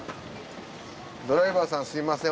ドライバーさんすみません